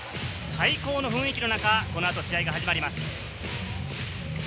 最高の雰囲気の中、この後、試合が始まります。